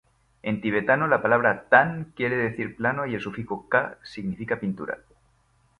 En tibetano la palabra 'than' quiere decir plano y el sufijo 'ka' significa pintura.